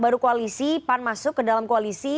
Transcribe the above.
baru koalisi pan masuk ke dalam koalisi